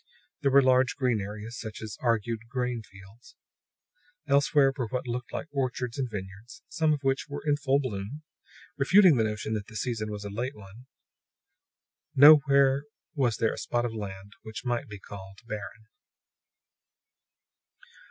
There were large green areas, such as argued grain fields; elsewhere were what looked like orchards and vineyards, some of which were in full bloom refuting the notion that the season was a late one. Nowhere was there a spot of land which might be called barren.